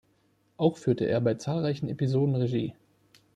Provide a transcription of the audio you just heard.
Auch führte er bei zahlreichen Episoden Regie.